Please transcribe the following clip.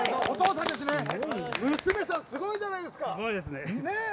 お父さん娘さん、すごいじゃないですか。